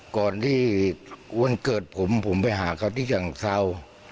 ก่อนที่วันเกิดผมผมไปหาเขาที่ฉะเศร้า